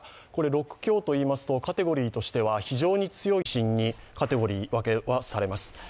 ６強といいますとカテゴリーとしては非常に強い地震にカテゴリー分けされます。